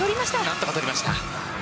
何とかとりました。